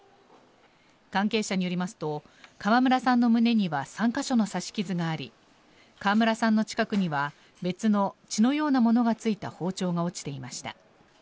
関係者によりますと川村さんの胸には３か所の刺し傷があり川村さんの近くには別の血のようなものが付いた包丁が落ちていました。